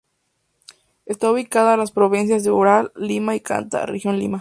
Esta ubicada en las provincias de Huaral, Lima y Canta, región Lima.